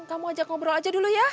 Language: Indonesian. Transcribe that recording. kamu ajak ngobrol aja dulu ya